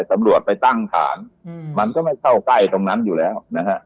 ตำรวจไปตั้งฐานมันก็ไม่เข้าใกล้ตรงนั้นอยู่แล้วนะฮะ